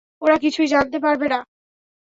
ওরা কিছুই জানতে পারবে না।